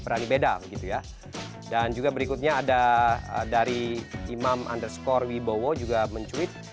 dan selanjutnya ada dari imam underscore wibowo juga men tweet